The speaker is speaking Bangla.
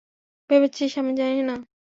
ভেবেছিস আমি জানি না?